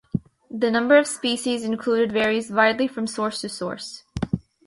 The number of species included varies widely from source to source.